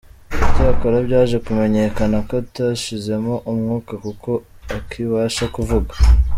Icyakora byaje kumenyekana ko atashizemo umwuka, kuko akibasha kuvuga.